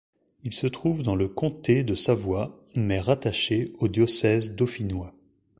Il se trouve dans le comté de Savoie, mais rattaché au diocèse dauphinois.